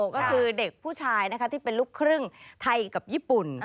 ก็คือเด็กผู้ชายนะคะที่เป็นลูกครึ่งไทยกับญี่ปุ่น